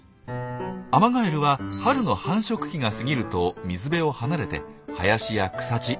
アマガエルは春の繁殖期が過ぎると水辺を離れて林や草地民家などで暮らします。